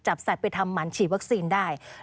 สัตว์ไปทำหมันฉีดวัคซีนได้